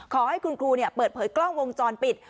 ขอให้คุณครูเปิดเผยกล้องวงจรปิด